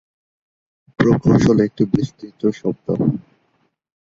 প্রকৌশল একটি বিস্তৃত শব্দ।